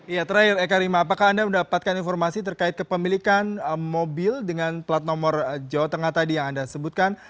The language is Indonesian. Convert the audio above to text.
ya terakhir eka rima apakah anda mendapatkan informasi terkait kepemilikan mobil dengan plat nomor jawa tengah tadi yang anda sebutkan